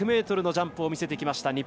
１００ｍのジャンプを見せてきました。